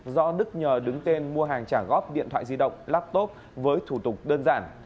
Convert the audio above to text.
do đức nhờ đứng tên mua hàng trả góp điện thoại di động laptop với thủ tục đơn giản